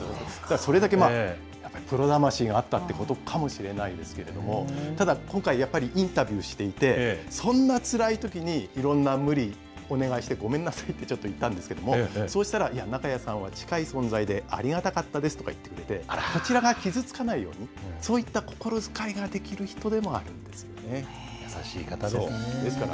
それだけプロ魂があったということかもしれないですけど、ただ、今回、やはりインタビューしていて、そんなつらいときに、いろんな無理、お願いしてごめんなさいってちょっと言ったんですけれども、そうしたら、中谷さんは近い存在で、ありがたかったですとか言ってくれて、こちらが傷つかないように、そういった心遣いがで優しい方ですね。